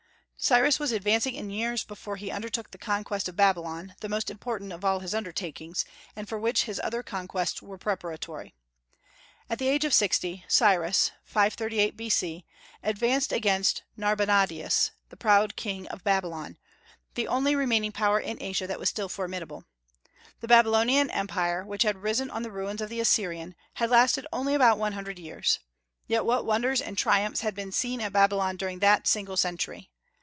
Cyrus was advancing in years before he undertook the conquest of Babylon, the most important of all his undertakings, and for which his other conquests were preparatory. At the age of sixty, Cyrus, 538 B.C., advanced against Narbonadius, the proud king of Babylon, the only remaining power in Asia that was still formidable. The Babylonian Empire, which had arisen on the ruins of the Assyrian, had lasted only about one hundred years. Yet what wonders and triumphs had been seen at Babylon during that single century!